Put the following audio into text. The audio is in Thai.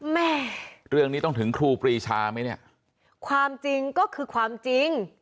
แม่เรื่องนี้ต้องถึงครูปรีชาไหมเนี่ยความจริงก็คือความจริง